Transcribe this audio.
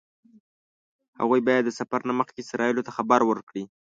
هغوی باید د سفر نه مخکې اسرائیلو ته خبر ورکړي.